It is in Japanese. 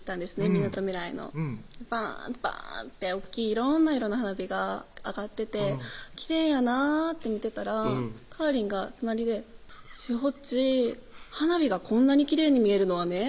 みなとみらいのバーンバーンって大っきい色んな色の花火が上がっててきれいやなって見てたらかーりんが隣で「しほっち花火がこんなにきれいに見えるのはね